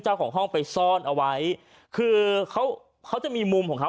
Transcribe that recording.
เจ้าของห้องไปซ่อนเอาไว้คือเขาเขาจะมีมุมของเขา